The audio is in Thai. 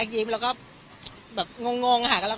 ควบคุม